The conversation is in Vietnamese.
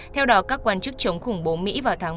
theo đó các quan chức chống khủng bố mỹ vào tháng ba